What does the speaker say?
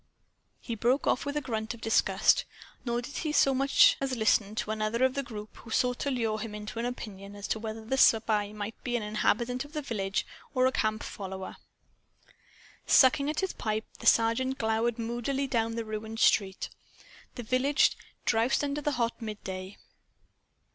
He broke off with a grunt of disgust; nor did he so much as listen to another of the group who sought to lure him into an opinion as to whether the spy might be an inhabitant of the village or a camp follower. Sucking at his pipe; the Sergeant glowered moodily down the ruined street. The village drowsed under the hot midday.